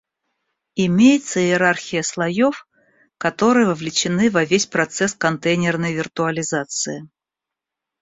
Имеется иерархия слоев, которые вовлечены во весь процесс контейнерной виртуализации